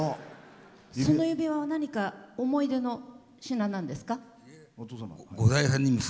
その指輪は何か思い出の品なんですか？